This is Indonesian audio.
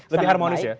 lebih harmonis ya